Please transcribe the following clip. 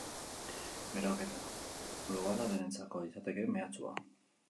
Beroketa globala denentzako litzateke mehatxua.